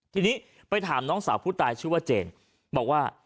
ทีนี้ไปถามน้องสาวผู้ตายชื่อว่าเจนบอกว่า